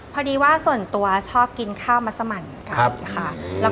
พอดีว่าส่วนตัวชอบกินข้าวมัสมันไก่ค่ะ